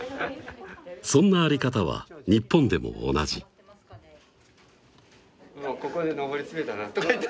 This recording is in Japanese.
そんな在り方は日本でも同じもうここで上り詰めたらとか言って！